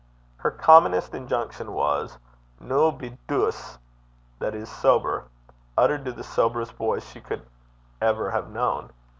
Her commonest injunction was, 'Noo be douce,' that is sober uttered to the soberest boy she could ever have known.